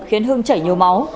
khiến hưng chảy nhiều máu